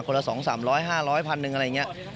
คนละ๒๐๐๐๐๐บาท๓๐๐๐๐๐บาท๕๐๐๐๐๐บาทอะไรอย่างนี้